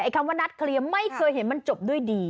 คำว่านัดเคลียร์ไม่เคยเห็นมันจบด้วยดี